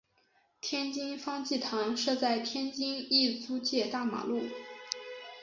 天津方济堂设在天津意租界大马路。